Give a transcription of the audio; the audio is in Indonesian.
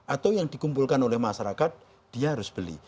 atau yang dikumpulkan oleh masyarakat dia harus beli